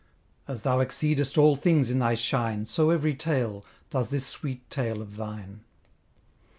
As thou exceedest all things in thy shine, So every tale, does this sweet tale of thine.